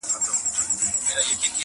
ساقي زده له صراحي مي د زړه رازکی,